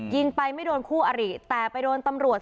ยิงไปไม่โดนคู่อริแต่ไปโดนตำรวจ